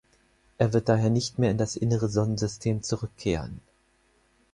Er wird daher nicht mehr in das innere Sonnensystem zurückkehren.